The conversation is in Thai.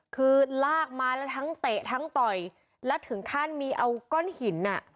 คือลากมาแล้วทั้งเตะทั้งต่อยแล้วถึงขั้นมีเอาก้อนหินอ่ะ